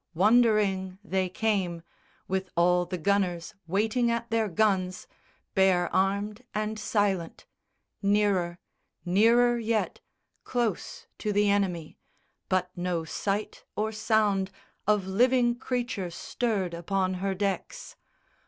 Wondering they came With all the gunners waiting at their guns Bare armed and silent nearer, nearer yet, Close to the enemy. But no sight or sound Of living creature stirred upon her decks.